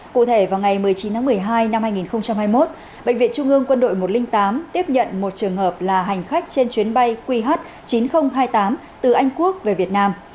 cụ thể vào ngày một mươi chín tháng một mươi hai năm hai nghìn hai mươi một bệnh viện trung ương quân đội một trăm linh tám tiếp nhận một trường hợp là hành khách trên chuyến bay qh chín nghìn hai mươi tám từ anh quốc về việt nam